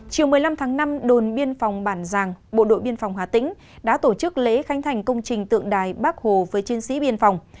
chiều một mươi năm tháng năm đồn biên phòng bản giang bộ đội biên phòng hà tĩnh đã tổ chức lễ khánh thành công trình tượng đài bắc hồ với chiến sĩ biên phòng